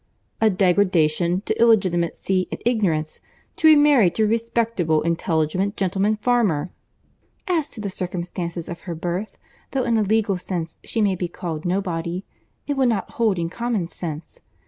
"A degradation to illegitimacy and ignorance, to be married to a respectable, intelligent gentleman farmer!" "As to the circumstances of her birth, though in a legal sense she may be called Nobody, it will not hold in common sense.